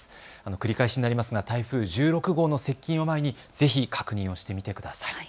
繰り返しになりますが台風１６号の接近を前にぜひ確認してみてください。